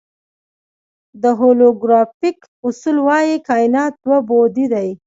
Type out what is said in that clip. د هولوګرافیک اصول وایي کائنات دوه بعدی دی.